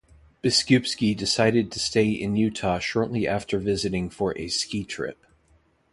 Biskupski decided to stay in Utah shortly after visiting for a ski trip.